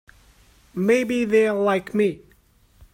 Maybe they're like me.